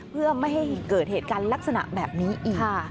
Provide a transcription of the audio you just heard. เพื่อไม่ให้เกิดเหตุการณ์ลักษณะแบบนี้อีก